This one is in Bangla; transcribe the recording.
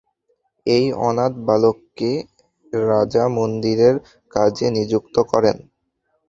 এই অনাথ বালককে রাজা মন্দিরের কাজে নিযুক্ত করেন।